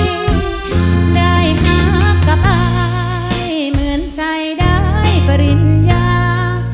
ใจหักกับไอ้เหมือนใจได้ปริญญา